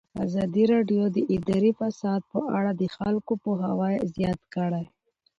ازادي راډیو د اداري فساد په اړه د خلکو پوهاوی زیات کړی.